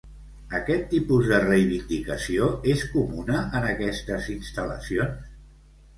Aquest tipus de reivindicació, és comuna en aquestes instal·lacions?